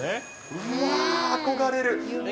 うわー、憧れる。